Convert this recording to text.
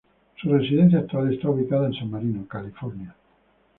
Su residencia actual está ubicada en San Marino, California.